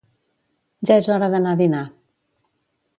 Ja és hora d'anar a dinar